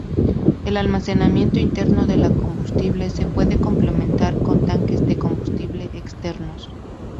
El almacenamiento interno de combustible se puede complementar con tanques de combustible externos.